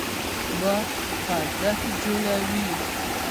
باد خوځښت جوړوي.